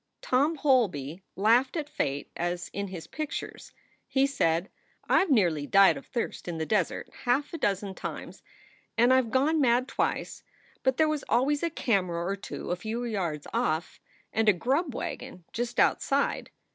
Tom Holby laughed at fate as in his pictures. He said : "I ve nearly died of thirst in the desert half a dozen times, and I ve gone mad twice, but there was always a camera or two a few yards off and a grub wagon just outside.